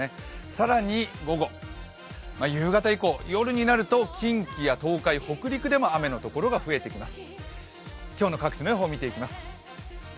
更に、午後、夕方以降、夜になると近畿や東海北陸でも雨のところが増えてきます。